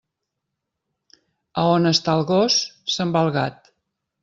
A on està el gos, se'n va el gat.